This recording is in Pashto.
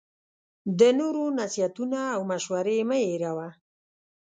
د نورو نصیحتونه او مشوری مه هیروه